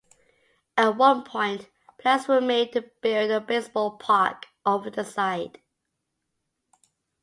At one point, plans were made to build a baseball park over the site.